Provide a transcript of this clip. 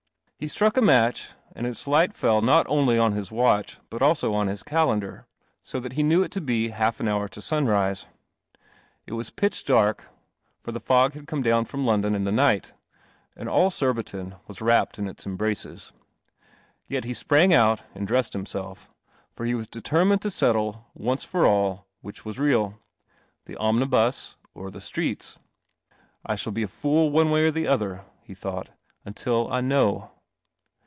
He struck a match, and its light fell not only on his watch but also on his calendar, so that he knew it to be half an hour to sunrise. It was pitch dark, forthe fog had comedown from Lon don in the night, and all Surbiton was wrapped in its embraces. Yet he sprang out and dressed himself, for he was determined to settle once for all which was real: the omnibus or the streets. " I shall be a fool one way or the other," he thought, " until I know."